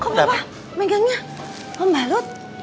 kok papa megangnya membalut